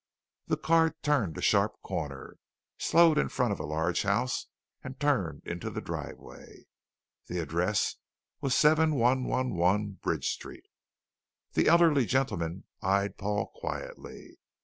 The car turned a sharp corner, slowed in front of a large house, and turned into the driveway. The address was 7111 Bridge Street! The elderly gentleman eyed Paul quietly.